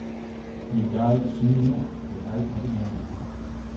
He died soon enough without an heir.